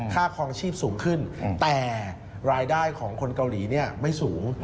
ค่าคลองชีพสูงขึ้นแต่รายได้ของคนเกาหลีไม่สูง